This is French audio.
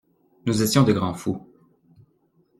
Nous étions de grands fous.